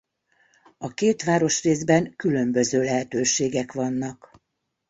A két városrészben különböző lehetőségek vannak.